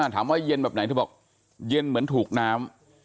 ว่าเย็นแบบไหนเธอบอกเย็นเหมือนถูกน้ำ